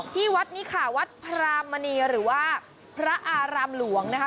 ที่วัดนี้ค่ะวัดพรามมณีหรือว่าพระอารามหลวงนะคะ